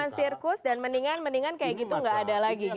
cuman sirkus dan mendingan mendingan kayak gitu gak ada lagi gitu ya